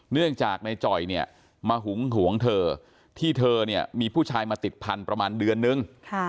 เนื่องจากในจ่อยมาหุ้งห่วงเธอที่เธอมีผู้ชายมาติดพันประมาณเดือนนึง